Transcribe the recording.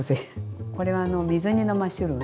これはあの水煮のマッシュルーム。